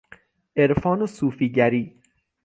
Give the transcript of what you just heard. عرفان و صوفیگری